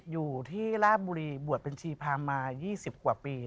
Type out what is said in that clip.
อยู่ที่ราชบุรีบวชบัญชีพรามมา๒๐กว่าปี